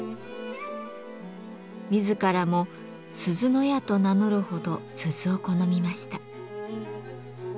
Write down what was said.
自らも「鈴屋」と名乗るほど鈴を好みました。